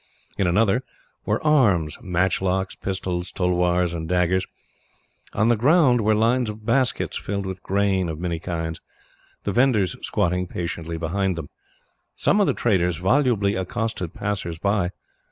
In another were arms, matchlocks, pistols, tulwars, and daggers. On the ground were lines of baskets, filled with grain of many kinds, the vendors squatting patiently behind them. Some of the traders volubly accosted passers by.